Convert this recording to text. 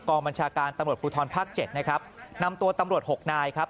บัญชาการตำรวจภูทรภาคเจ็ดนะครับนำตัวตำรวจหกนายครับ